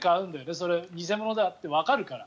それ、偽物だってわかるから。